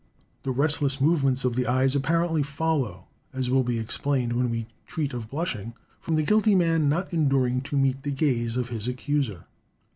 The restless movements of the eyes apparently follow, as will be explained when we treat of blushing, from the guilty man not enduring to meet the gaze of his accuser.